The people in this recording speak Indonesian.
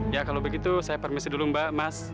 ya kalau begitu saya permisi dulu mbak mas